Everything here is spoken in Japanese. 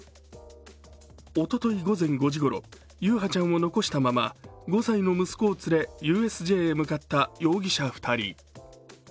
おととい午前５時ごろ、優陽ちゃんを残したまま５歳の息子を連れ、ＵＳＪへ向かった容疑者２人。